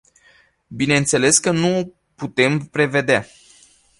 Bineînțeles că nu o putem prevedea.